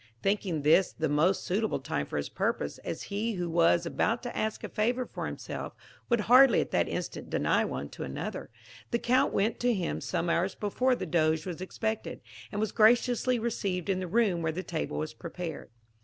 Thinking this the most suitable time for his purpose, as he who was about to ask a favour for himself would hardly at that instant deny one to another, the Count went to him some hours before the Doge was expected, and was graciously received in the room where the table was prepared.